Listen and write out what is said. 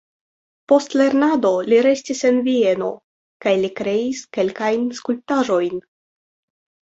Post lernado li restis en Vieno kaj li kreis kelkajn skulptaĵojn.